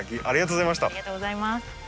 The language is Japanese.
ありがとうございます。